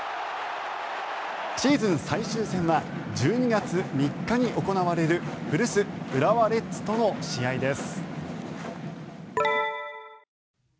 シーズン最終戦は１２月３日に行われる古巣・浦和レッズとの試合です。